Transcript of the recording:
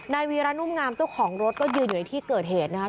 วีระนุ่มงามเจ้าของรถก็ยืนอยู่ในที่เกิดเหตุนะคะ